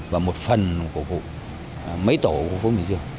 và một phần của mấy tổ của phố bình dương